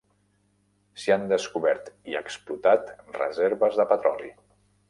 S'hi han descobert i explotat reserves de petroli.